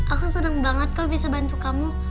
aku senang banget kau bisa bantu kamu